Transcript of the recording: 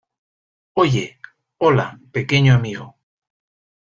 Oye, hola , pequeño amigo.